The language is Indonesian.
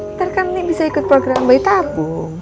nanti kan ini bisa ikut program bayi tabung